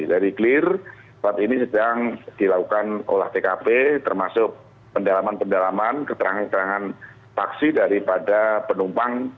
dari clear saat ini sedang dilakukan olah tkp termasuk pendalaman pendalaman keterangan keterangan paksi daripada penumpang